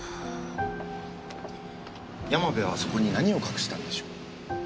山部はあそこに何を隠してたんでしょう？